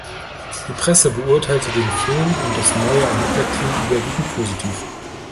Die Presse beurteilte den Film und das neue Ermittlerteam überwiegend positiv.